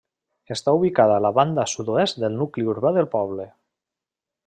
Està ubicada a la banda sud-oest del nucli urbà del poble.